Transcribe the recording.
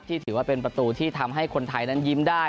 ถือว่าเป็นประตูที่ทำให้คนไทยนั้นยิ้มได้